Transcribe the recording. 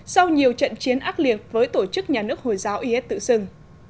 sau nhiều trận chiến ác liệt với tổ chức nhà nước hồi giáo yên